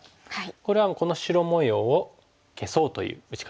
これはこの白模様を消そうという打ち方ですよね。